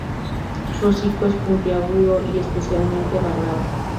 Su hocico es puntiagudo y especialmente alargado.